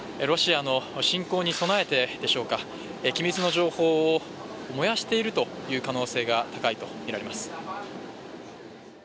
ロシアの侵攻に備えてでしょうか、機密の情報を燃やしているという可能性が高いとみられます。